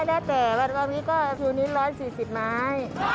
แล้วแต่ตอนนี้ก็คือนี้๑๔๐ไม้